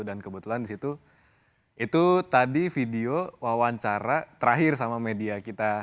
dan kebetulan disitu itu tadi video wawancara terakhir sama media kita